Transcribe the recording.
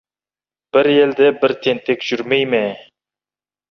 Бір елде бір тентек жүрмей ме.